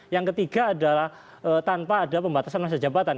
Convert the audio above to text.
yang ketiga adalah tanpa ada pembatasan masa jabatan